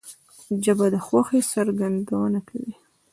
ژبه د خوښۍ څرګندونه کوي